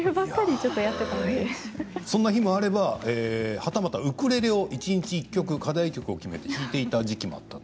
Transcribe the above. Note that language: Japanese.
そんな暇あればはたまたウクレレを一日１曲課題曲を決めて弾いていた時期もあったと。